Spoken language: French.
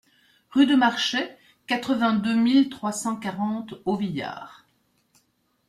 Rue de Marchet, quatre-vingt-deux mille trois cent quarante Auvillar